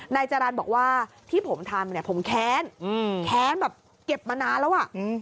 นายจารันบอกว่าที่ผมทำผมแค้นแค้นแบบเก็บมานานแล้ว